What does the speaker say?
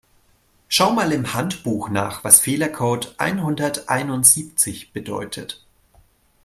Schau mal im Handbuch nach, was Fehlercode einhunderteinundsiebzig bedeutet.